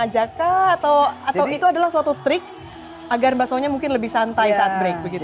ajak atau itu adalah suatu trik agar baksonya mungkin lebih santai saat break begitu